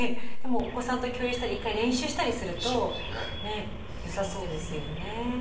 でもお子さんと共有したり１回練習したりするとよさそうですよね。